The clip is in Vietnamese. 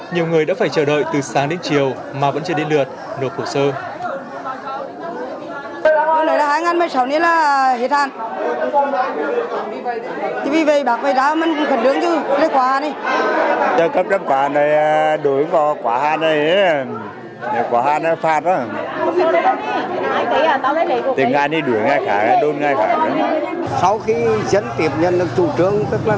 nhiều người đã phải chờ đợi từ sáng đến chiều mà vẫn chưa đến lượt nộp hồ sơ